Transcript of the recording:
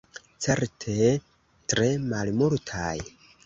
Certe tre malmultaj.